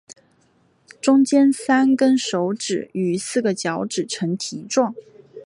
中间三跟手指与四个脚趾呈蹄状。